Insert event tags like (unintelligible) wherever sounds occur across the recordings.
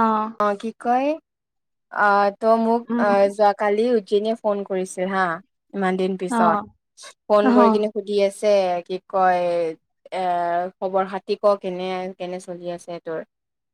অঁ অ অ। হয় কি কয় আ আ তয় মোক আ যা কালি উজ্জয়িনীয়ে ফোন কৰিছিল হা ইমান দিন পিছত সিত ফোন কৰি কি সুধি আছে কি কয় এ এ এ এ এ এ আৰু খবৰ-খাতি ক কেনে আৰু কেনে চলি আছে তোৰ।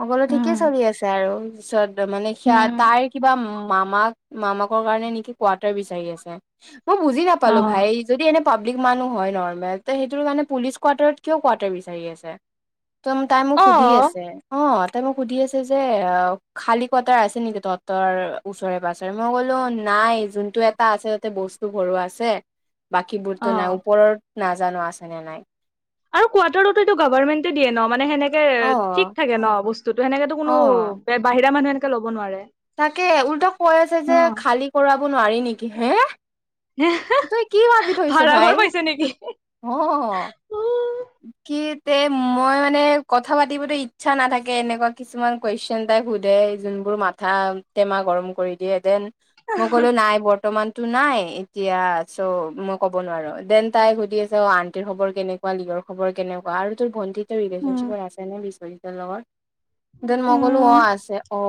অ কলো ঠিকেই চলি আছে আৰু পিছত মানে সেয়া তাই কিবা মামাক মামাকৰ কাৰণে নেকি কোৱাটাৰ বিচাৰি আছে ই ই আহ মই বুজি অ, নাপালো ভাই যদি এনে পাব্লিক মানুহ হয় নৰ্মেল তাই সেইটোৰ কাৰণে পুলিচ কোৱাৰটাৰত কিয় কোৱাৰটাৰ বিচাৰি আছে। ত তাই মোক অ, সুধি আছে, অ তাই মোক সুধি আছে যে যে এ আ ও খালী কোৱাটাৰ আছে নেকি তহঁতৰ ওচৰে পাজৰে মই ক'লো নাই যোনটোয়ে এটা আছে তাতে বস্তু ভৰুৱা আছে। বাকীবোৰতো অ, নাই ওপৰত নাজানো আছে নে নাই। আৰু কোৱাটাৰতো এইটো গভাৰমেণ্টে দিয়ে ন মানে সেনেকে এ অ এ এ ঠিক থাকে ন বস্তু তোৰটো সেনেকেতো অ কোনো বে বাহিৰা মানুহে এনেকে ল'ব নোৱাৰে। তাকেহে উল্টাই কৈ আছে অ, যে খালী কৰাব নোৱাৰি নেকি হে। তই কি ভাবি থৈছ ভাই ভাড়াঘৰ পাইছে নেকি? অ উম, কি তে মই মানে কথা পাতিবতো ইচ্ছা নাথাকে এনেকুৱা কিছুমান কোৱেশ্বন টাইপ সোধে যোনবোৰ মাথা টেমা গৰম কৰি দিয়ে দেন মই ক'লো নাই বৰ্তমান ত নাই এতিয়া চ' মই ক'ব নোৱাৰোঁ দেন তাই সুধি আছে অ আন্টিৰ খবৰ কেনেকুৱা লিগৰ খবৰ কেনেকুৱা আৰু তোৰ ভন্টি ৰিলেশ্যনশ্বিপ আছে ন বিশ্বজিতৰ লগত দেন ক'লো অ উম, আছে অ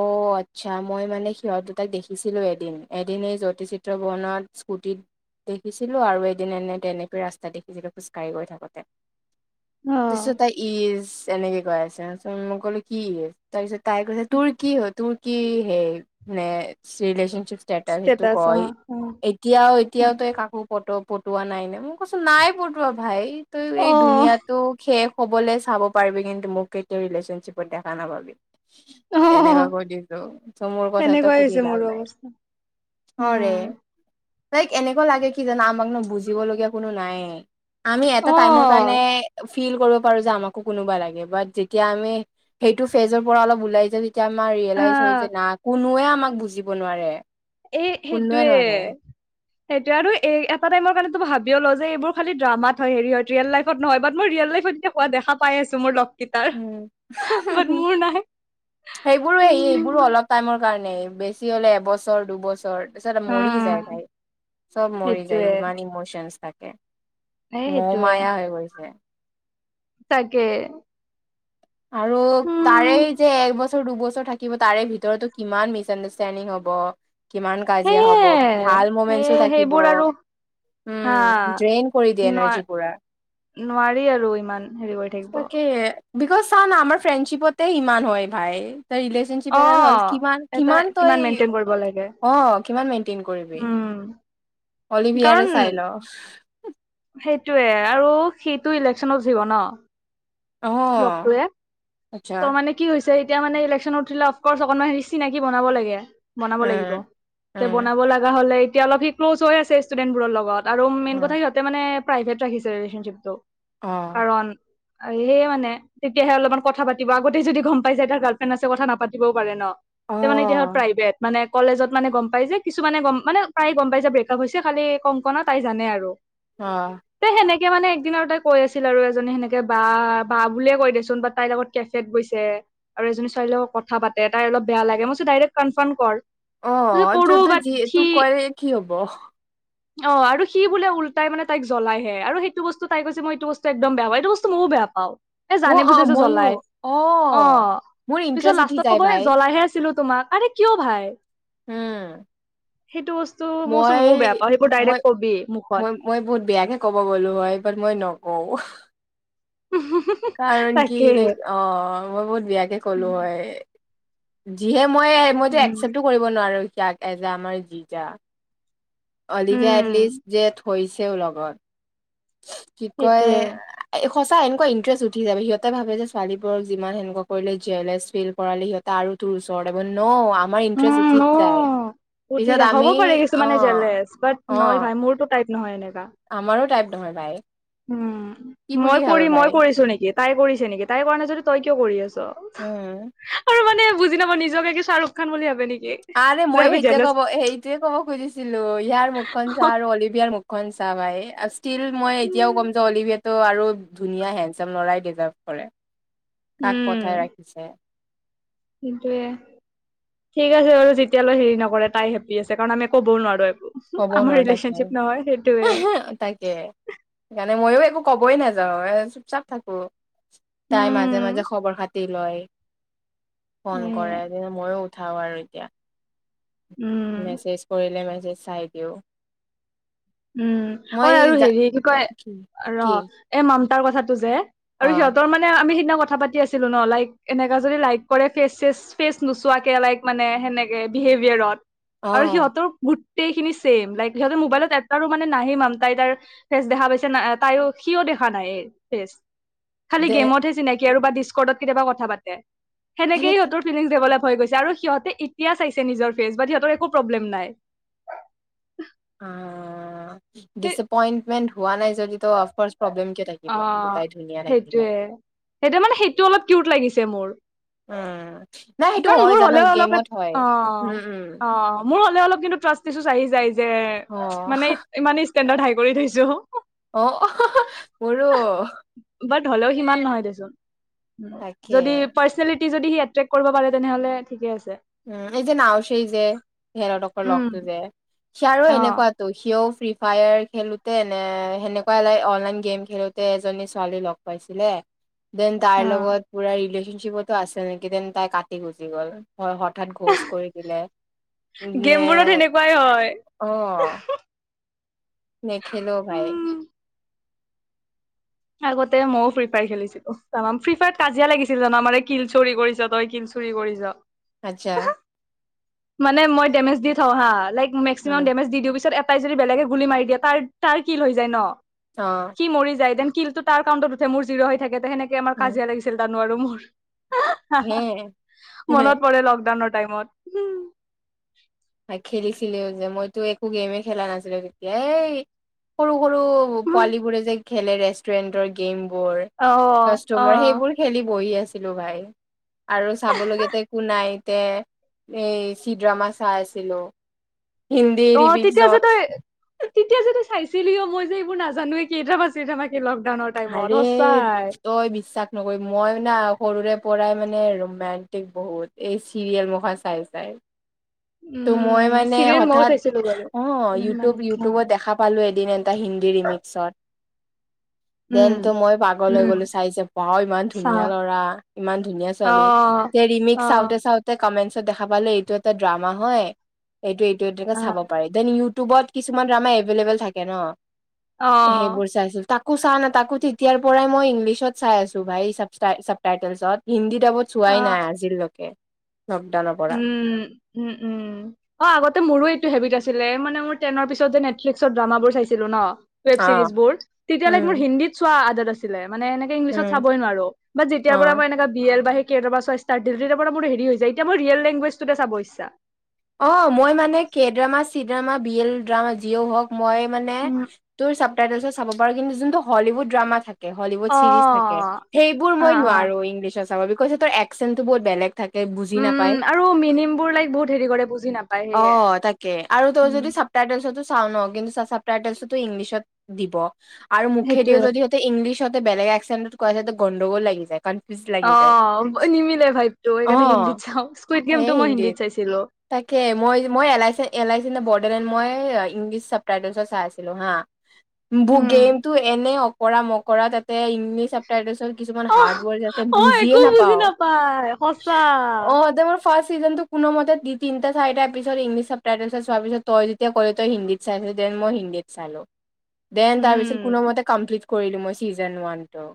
আচ্ছা মই মানে সিহঁত দুটাক দেখিছিলোঁ এদিন এদিন এই জ্যোতি চিএ বনত স্কুটিত। দেখিছিলোঁ আৰু এদিন এনেকে এনেকৈ ৰাস্তাত দেখিছিলোঁ খোজকাঢ়ি গৈ থাকোঁতে। অ, তাৰপিছত তাই ইজ এনেকে কৈ আছে চোন মই ক'লো কি ইজ তাৰপিছত তাই কৈছে তোৰ কি হ'ল? কি হে নে ৰিলেশ্যনশ্বিপ সেইটো ষ্টেটাছ অ, কয় অ, এতিয়াও অ, এতিয়াও তই কাকো কটো পটোৱা নাই নে মই কৈছোঁ নাই পটোৱা ভাই তই এই দুুনীয়াটো। শেষ হ'বলৈ চাব পাৰিবি কিন্তু মোক কেতিয়াও ৰিলেশ্যনশ্বিপত দেখা নাাপাবি। অ, অ, এনেকুৱা কৈ দিছোঁ ত মোৰ কথাটো সেনেকুৱাই হৈছে সুধি মোৰো লাভ নাই। অৱস্থা। উম তাইক এনেকুৱা লাগে কি জানা আমাক ন বুজিব লগীয়া কোনো নাই। আমি অ, এটা টাইমৰ কাৰণে ফিল কৰিব পাৰোঁ যে আমাকো কোনোবা লাগে বাত যেতিয়া আমি সেইটো ফেজৰ পৰা অলপ ওলাই যাওঁ। তেতিয়া আমাৰ আ, ৰিয়েলাইজ হয় যে না কোনোৱে আমাক বুজিব নোৱাৰে। এ কোনোৱে সেইটোৱে। নোৱাৰে সেইটোৱে আৰু এই এটা টাইমৰ কাৰণেতো ভাবিয়ও লওঁ যে এইবোৰ খালী ড্ৰামাত হয় হেৰি হয় ৰিয়েল লাইফত নহয় বাট মোৰ ৰিয়েল লাইফত পোৱা দেখা পাই আছোঁ মোৰ। লগৰ কিটাৰ উম বাত মোৰ নাই সেইবোৰো সেইবোৰো উম। অলপ টাইমৰ কাৰণে বেছি হলে এবছৰ দুবছৰ। তাৰপিছত মৰি যায় উম, তাই চব মৰি যায় সেইটোৱে ইমান ইমচনচ থাকে। এই মোহ সেইটোৱে মায়া হৈ গৈছে। তাকে। আৰু তাৰেই উম যে এক বছৰ দুবছৰ থাকে। তাৰে ভিতৰতটো কিমান মিচ আণ্ডাৰষ্টেণ্ডিং হব। কিমান কাজিয়া সেয়ে হ'ব ভাল মমেন্টচো সেই থাকিব। সেইবোৰ আৰু হা উম ড্ৰেইন কৰি দিয়ে নোৱাৰ এনাৰ্জি বোৰ। নোৱাৰি আৰু ইমান হেৰি কৰি থাকিব তাকেহে বিকজ চা না আমাৰ ফ্ৰেণ্ডশ্বিপতে ইমান হয় ভাই তাৰ অ ফ্ৰেণ্ডশ্বিপতে হ'ল কি এটা কিমান তই মেইনটেইন কৰিব লাগে অ কিমান মেইন্টেইন কৰিবি। উম অলি বিয়াৰে চাই ল। সেইটোৱেই আৰু সিটো ইলেক্সনত উঠিব ন অ ৰক্তটোৱে আচ্ছা ত মানে কি হৈছে এতিয়া মানে ইলেকশ্যনত উঠিলে অফকৰ্চ অকণমান চিনাকি বনাব লাগে। বনাব লাগিব উম এতিয়া উম বনাব লগা হলে এতিয়া অলপ সি ক্ল'জ হৈ আছে ষ্টুডেন্ট বোৰৰ লগত। আৰু মেইন উম কথা সিহঁতে মানে প্ৰাইভট ৰাখিছে ফ্ৰেণ্ডশ্বিপটো অ কাৰণ। অ সেই মানে তেতিয়াহে অলপমান কথাপাতিব আগতে যদি গম পাই যায় তাৰ গাৰ্লফ্ৰেণ্ড আছে কথা নাপাতিবও পাৰে ন। অ এতিয়া মানে সিহঁত প্ৰাইভেট মানে। কলেজত মানে গম পাই যে কিছুমানে গম মানে তায় গম পাই যে ব্ৰেকআপ হৈছে খালি কংকনা তাই জানে আৰু। অ। তে সেনেকে মানে একদিন আৰু তাই কৈ আছিল আৰু এজনী সেনেকে বা বুলিয়ে কয় দেচোন বা তাইৰ। কেফেত গৈছে আৰু এজনী ছোৱালী লগত কথা পাতে, তাই অলপ বেয়া লাগে। মই কৈছোঁ ডাইৰেক্ট কনফাৰ্ম কৰ অ কৈছে কৰো তত বাট যি সি তোক কৰে কি হ'ব অ আৰু সি বোলে উলতাই মানে তাইক জ্বলাইহে আৰু সেইটো বস্তু তাই কৈছে মই এইটো বস্তু একদম বেয়া পাওঁ। এইটো বস্তু ময়ো বেয়া পাওঁ। এ মোৰ জানি অ', বুজিয়ে যে ময়ো জ্বলাই। অ মোৰ পিছত ইন্টাৰেষ্ট উঠি লাষ্টত যায় কবই ভাই জ্বলাইে আছিলো তোমাক। কিয় ভাই? উম, সেইটো বস্তু মোৰচোন ময়ো বেয়া মই পাওঁ। তই সেইবোৰ বোৰ মই ডাইৰেক্ট কবি মই মই বহুত বেয়াকে ক'ব গ'লো হয় বাট মই নকওঁ। উু (inaudible) কাৰণ কি? লাইক অ মই বহুত বিয়াকে কলো উম হয়। যিহে মই মইযে একচেপ্টটো কৰিব নোৱাৰো সয়াক এজ আমাৰ যি যা অলিভে এটলিষ্ট উম যে থৈছেও লগত। কি কয় সেইটোয়ে এ সচা এনেুৱা ইণ্টাৰেষ্ট উঠি যাব, সিহঁতে ভাবে যে ছোৱালীবোৰক যিমান সেনেকুৱা কৰিলে জেলাইচ ফেইল কৰালে সিহঁত তাৰো তোৰ ওচৰৰত ন আমাৰ ইণ্টাৰেষ্ট উম উঠি ন যায়। উঠি পিছত যা হ'ব আমি পাৰে অ কিছুমানে জেলেচ বাট অ নহয় ভাই মোৰতো টাইপ নহয় এনেকা। আমাৰো টাইপ নহয় বাই। উম। মই কৰি মই কৰিছো নেকি? তাই কৰিছে নেকি? তাই কৰা নাই যদি তই কিয় কৰি আছ? উম আৰু মানে বুজি নাপাওঁ নিজকে কি শ্বাহৰুখ খান বুলি ভাবে নেকি? আৰে যে মই আমি সেইতিয়া জেলেচ ক'ব সেই সেইটোৱে ক'ব খুজিছিলো। ইয়াৰ মুখখন চাহ আৰু অলিভিয়াৰ মুখখন চাহ ভাই। ষ্টিল মই এতিয়াও কম যো অলিভিয়েতটো আৰু ধুনীয়া হেণ্ড চাম লৰাই ডিজাৰ্ভ কৰে। কাক পঠাই ৰাখিছে? সেইটোৱে। ঠিক আছে বোলে যেতিয়ালৈ হেৰি নকৰে, তাই হেপি আছে। কাৰণ আমি ক'বও নোৱাৰো একো ক'ব আমাৰ নোৱাৰো ৰিলেচনশ্বিপ নহয় সেইটোয়ে তাকে। আহ তাকে সেইকাৰণে ময়ো একো কবই নাযাওঁ, এ চুপ চাপ থাকো। তাই মাজে উম মাজে খবৰ খাতি লয়। এ ফোন কৰে যে ময়ো উঠাও আৰু এতিয়া উম মেছেজ কৰিলে মেছেজ চাই দিওঁ। উম। অঐ আৰু হেৰি কি কয় ৰ কি এই মামতাৰ কথাটো যে, অ আৰু সিহঁতৰ মানে আমি সিদিনা কথা পাতি আছিলো ন? লাইক এনেকা যদি লাইক কৰে ফেচ চেচ ফেচ নোচোৱাকে লাইক মানে সেনেকে বিহেভিয়াৰত। অ আৰু সিহঁতৰ গোটেই খিনি চছেম লাইক সিহঁতৰ মোবাইলত তাৰো মানে নাহি মাম তাই তাৰ ফেচ দেখা পাইছে ন? তাইো সিও দেখা নাই ফেচ খালি দে গেমত হে চিনাকি আৰু ডিছকৰ্ডত কেতিয়াবা কথা পাতে। হেৰে সেনেকেই কি সিহঁতৰ ক্লিক ডেভলপ হৈ গৈছে আৰু সিহঁতে এতিয়া চাইছে নিজৰ ফেচ বা সিহঁতৰ একো প্ৰব্লেম নাই। অ সেই ডিচএপইন্টমেন্ট হোৱা নাই যদি অফ প্ৰব্লেম কিয় লয়? অ সেইটোৱে। সেইটো মানে সেইটো অলপ কিউট লাগিছে মোৰ। অ কাৰণ মোৰ হলেও অলপ এ অ উম উম অ মোৰ হ'লে অলপ কিন্ত ট্ৰাষ্টুচ আহি যায় যে, অ মানে ইমানেই ষ্টেণ্ডাৰ্ড হাই কৰি থৈছো। অ আহ আহ মোৰো। বাট হ'লেও সিমান নহয় দেচোন যদি তাকে পাৰ্চনেলিটি যদি সি এট্ৰেক্ট কৰিব পাৰে তেনেহ'লে ঠিকে আছে। উম এই যে নাওছে যে সিহঁতকৰ উম লগতো যে ছোৱালীয়ো অ এনেকুৱা ত' সিও ফ্ৰী ফায়াৰ খেলোতে ন সেনেকুৱা লাই অনলাইন গেম খেলোতে এজনী ছোৱালী লগ পাইছিলে। দেন তাইৰ অ লগত পুৰা ৰিলেশ্যনশ্বিপতো আছে নেকি দেন তাই কাটি গুচি গ'ল। হয় হঠাৎ ঘোচ কৰি দিলে নে গেমবোৰত সেনেকুৱাই হয় অ নেখেলো ভাই। উম আগতে মইও ফ্ৰী ফায়াৰ খেলিছিলো। ফ্ৰী ফায়াৰত কাজিয়া লাগিছিল জানাম মই কিল চুৰ কৰিছ তই কিল চুৰি কৰি যা আচ্ছা মানে মই ডেমেচ দি থাওঁ হা লাই মেক্সিমাম উম ডেমেজ দি পিছত তাই যদি বেলেগে গুলি মাৰি দিয়ে তাৰ তাৰ কিল হৈ যায় ন অ সি মৰি যায় দেন কিলটো তাৰ কাউণ্টত উঠে মোৰ জিৰো হৈ থাকে সেনেকে আমাৰ উম কাজিয়া লাগিছিল জানো আৰু মোৰ হে মনত পৰে লকডাউনৰ টাইমত। তই খেলিছিলি যে মইতো একো গেমে খেলা নাছিলো। তেতিয়া এই সৰু সৰু পোৱালী বোৰে যে খেলে ৰেষ্টুৰেন্টৰ গেম বোৰ। অ অ কাষ্টমাৰ সেইবোৰ খেলি বহি আছিলো ভাই। আৰু চাবলগীয়াতে একো নাইতে চি ড্ৰামা চাই আছিলো। হিন্দী অ তেতিয়া যে ৰিমিক্সত তই তেতিয়া যদি চাইছিলিও অ মই যে এইবোৰ নাজানোৱে কেইড্ৰামা চেইড্ৰামা কি লকডাউনত। হেৰি তই বিশ্বাস নহয় মই মানে সৰুৰে পৰাই মানে ৰোমেণ্টিক বহুত এই চিৰিয়েল দুখন চাই চাই। ত মই উম মানে চিৰিয়েল মইও হঠাৎ চাইছিলো বাৰু অ ইউটিউব অ ইউটিউবত দেখা। পালোঁ এদিন এটা হিন্দী ৰিমিক্সত। উম দিনটো মই পাগল হৈ উম গ'লো চাইছে বা ইমান ধুনীয়া চাও ল'ৰা ইমান ধুনীয়া অ ছোৱালী। ত অ ৰিমিক্স চাউতে চাউতে কমেন্টচত দেখা পালো এইটো এটা ড্ৰামা হয় এইটো এইটো একে অ চাব পাৰি দেন ইউটিউবত কিছুমান ড্ৰামা এভেইলেবেল থাকে ন অ সেইবোৰ চাইছিলো। তাকো চা ন তাকো তেতিয়াৰ পৰাই মই ইংলিছত চাই আছো ভাই চাব টাইটেলছত হিন্দী ডাব চোৱাই অ নাই আজিলৈকে লকডাউন। উম উম উম। অ আগতে মোৰো এইটো হেবিট আছিলে মানে মোৰ টেনৰ পিছত যে নেটফ্লিক্সত ড্ৰামাবোৰ চাইছিলো ন। ৱেব অ ছিৰিজ বোৰ উম তেতিয়ালৈক মোৰ হিন্দীত চোৱা আদত আছিলে মানে এনে ইংলিছত উম চাবই নোৱাৰো বাট যেতিয়া অ পৰা মই এনে বি এল বা কে ড্ৰামা চোৱা ইষ্টাত দি দিলো তেতিয়াৰ পৰা মোৰ হেৰি হৈ যায়। এইবোৰ ৰিয়েল লেংগুৱেজ টোতে চাবৰ ইচছা। অ মই মানে K drama C drama B L drama যিয়ও হওঁক। মই মানে উম, তোৰ চাব টাইটল চাব পাৰ কিন্তু জোনটো হলউড ড্ৰামা থাকে হলিউড চিৰিজ থাকে অ', সেইবোৰ মই অ', অ'। নোৱাৰো ইংলিছত চাব বিকজ এক্চনতো বহুত বেলেগ থাকে বুজি উম নাপায়। আৰু মিনিং বোৰ লাইক বহুত হেৰি কৰে বুজ অ তাকে আৰু তোৰ যদি চ টাইটেলচ চাও ন কিন্তু (inaudible) ইংলিছত দিব আৰু মুখেদিও সেইটোয়ে। যদি ইংলিছতে বেলেগ এক্সন কোৱা যায় যে গণ্ডগোল লাগি যায়। কনফিউজ অ লাগি যায়। নিমিলে ভাইপতটো অ', সেইকাৰণে হিন্দীত চাওঁ স্কুই সেয়ে গেমতো মই হিন্দী হিন্দীত চাইছিলো। তাকে মই মই এলই এল আই চি ন বডলেণ্ড মই ইংলিছ চাব টাইটেলছ চাই আছিলোঁ হা বু উম। গেমতটো এনেই অঁকৰা মকৰা তাতে ইংলিছ (unintelligible) কিছুমান অহ হাৰ্ড অ বুজিয়ে একো বুজি নাপাওঁ নাপায় সঁচা অ ফাৰ্ষ চিজনটোনো কোনো মতে যি তিনটা চাৰিটা এপিছত ইংলিছ চব টাইটেল চোৱাৰ পিছত তই যেয়া কলে তই হিন্দী চাইছিল দেন মই হিন্দীত চালো দেন তাৰপিছত উম কোনোমতে কমপ্লিট কৰিলো মই চিজন ওৱান টো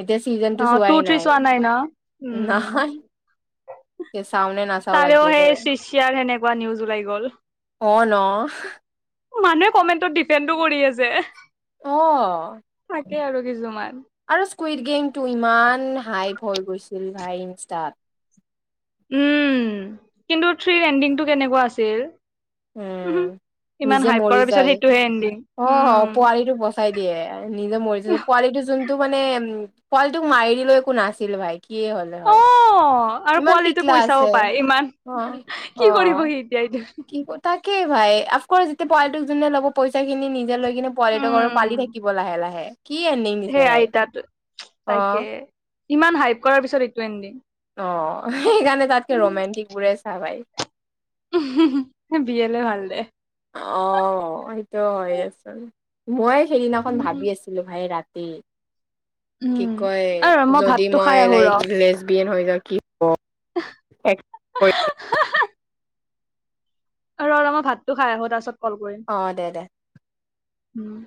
এতিয়া চিজনতটো অ টু চোৱাই থ্ৰী নাই চোৱা ন উম নাই স চামনে নাচও লাগে হেচি চিয়াৰ সেনেকুৱা নিউজ ওলাই গ'ল অ ন মানুহে কমেণ্টত ডিপেণ্ডটো কৰি যে অ তাকে আৰু কিছুমান আৰু স্কুইড গেম টো ইমান হাইপ হৈ গৈছিল ভাই ইন ষ্টাৰ্ট উম কিন্তু থ্ৰীৰ এণ্ডিংটো কেনেকুৱা আছিল উম ইমান নিজে হাই মৰি পাৰ পিছত যায় সেইটোহে আনি দিম উম চাই দিয়ে নিজে মৰিছে পোৱালিটো যোনটো মানে উম পোৱালিটোক মাৰি দিলো একো নাছিল ভাই কি হ'লে অ হয় আৰু ইমান পোৱালিটোৱে টিকলা আছে পইচাও পায় ইমান অ অ কি কৰিব সি এতিয়া এইটো কি ক তাকেই ভাই আফকৰ্চ যেতিয়া পোৱালিটোক যোনে ল'ব পইচা খিনি নিজে লৈ কিনে পোৱালিটোক পালি উম থাকিব লাহে লাহে কি আনি সেই আইতাত তাকে ইমান হাইপ কৰাৰ পিছত এইটো আনিদিম অ সেইকাৰণে তাতকে ৰোমেণ্টিক বোৰে চাহ ভাই (unintelligible) ভাল দে অ সেইটো হয়ে উম, আছে মইয়ে সেইদিনাখন ভাবি আছো ছিলো ভাই ৰাতি কি উম। কয় আৰু মই যদি ভাতটো খাই মই আহো ৰ। লাইক লেচ বিন হৈ যাওক হয় আৰু ৰবা মই ভাতটো খাই আহো তাৰ পাছত কল কৰিম অ', দে দে। উম